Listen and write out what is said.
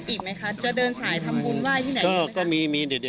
อีกไหมคะจะเดินสายทำบุญไหว้ที่ไหน